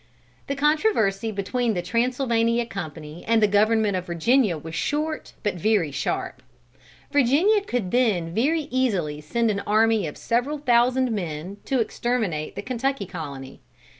The controversy between the Transylvania Company and the Government of Virginia was short but very sharp. Virginia could then very easily send an army of several thousand men to exterminate the Kentucky colony.